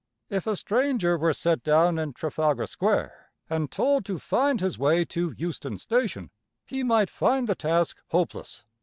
If a stranger were set down in Trafalgar Square, and told to find his way to Euston Station, he might find the task hopeless.